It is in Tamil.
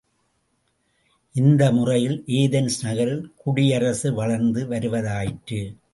இந்த முறையில் ஏதென்ஸ் நகரில் குடியரசு வளர்ந்து வருவதாயிற்று.